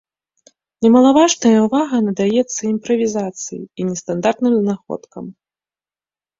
Немалаважнае ўвага надаецца імправізацыі і нестандартным знаходкам.